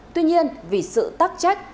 tuy nhiên vì sự tắc trách